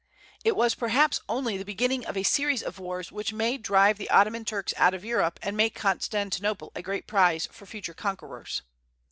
It was perhaps only the beginning of a series of wars which may drive the Ottoman Turks out of Europe, and make Constantinople a great prize for future conquerors.